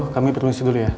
kami perlengsi dulu ya